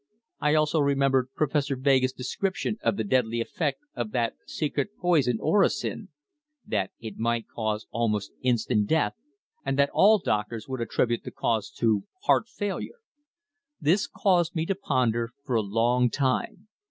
I also remembered Professor Vega's description of the deadly effect of that secret poison orosin that it might cause almost instant death, and that all doctors would attribute the cause to heart failure. This caused me to ponder for a long time.